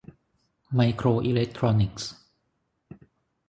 ไมโครอิเล็กทรอนิกส์